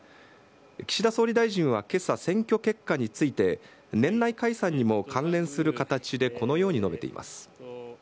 岸田総理大臣はけさ、選挙結果について年内解散にも関連する形でこのように述べています。